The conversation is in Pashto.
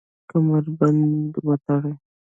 کمربند وتړئ